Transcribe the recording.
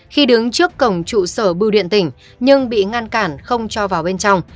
khi đứng trước cổng trụ sở bưu điện tỉnh nhưng bị ngăn cản không cho vào bên trong